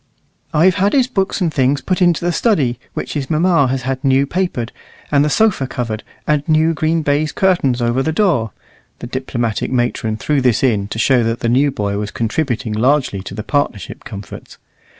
"I've had his books and things put into the study, which his mamma has had new papered, and the sofa covered, and new green baize curtains over the door" (the diplomatic matron threw this in, to show that the new boy was contributing largely to the partnership comforts).